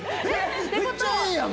めっちゃええやん！」